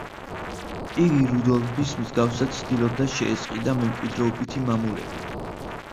იგი რუდოლფის მსგავსად ცდილობდა შეესყიდა მემკვიდრეობითი მამულები.